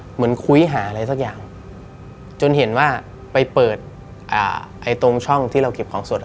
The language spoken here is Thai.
เหมือนคุยหาอะไรสักอย่างจนเห็นว่าไปเปิดอ่าไอ้ตรงช่องที่เราเก็บของสด